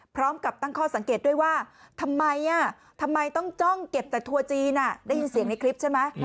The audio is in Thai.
พร้อมกับตั้งข้อสังเกตด้วยว่าทำไมทำไมต้องจ้องเก็บแต่ทัวร์จีนได้ยินเสียงในคลิปใช่ไหม